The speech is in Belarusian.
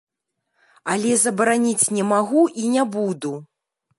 Але забараніць не магу і не буду.